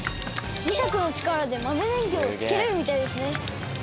磁石の力で豆電球をつけられるみたいですね。